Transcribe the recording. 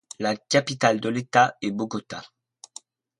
La capitale de l'État est Bogota.